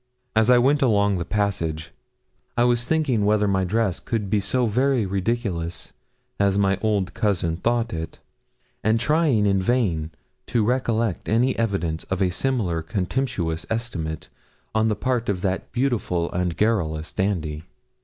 As I went along the passage, I was thinking whether my dress could be so very ridiculous as my old cousin thought it, and trying in vain to recollect any evidence of a similar contemptuous estimate on the part of that beautiful and garrulous dandy.